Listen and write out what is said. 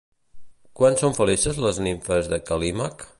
Quan són felices les nimfes de Cal·límac?